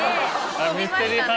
飛びましたね。